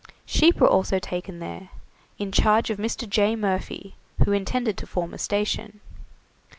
Sheep were also taken there in charge of Mr. J. Murphy, who intended to form a station.